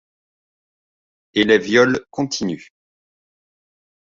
Et les viols continuent.